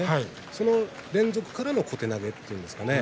その連続からの小手投げと言うんですかね。